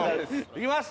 「いきます！」